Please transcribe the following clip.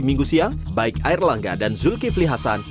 minggu siang baik air langga dan zulkifli hasan